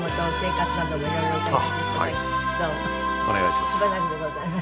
しばらくでございます。